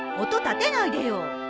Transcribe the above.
音たてないでよ。